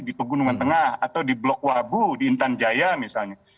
di pegunungan tengah atau di blok wabu di intan jaya misalnya